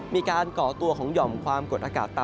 ก่อตัวของหย่อมความกดอากาศต่ำ